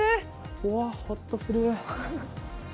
うわっ、ホッとする。